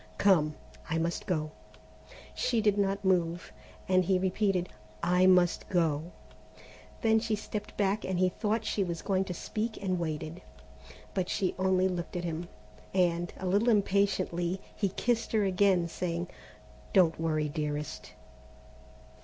Come, I must go!" She did not move, and he repeated: "I must go." Then she stepped back and he thought she was going to speak and waited, but she only looked at him, and, a little impatiently, he kissed her again, saying: "Don't worry, dearest."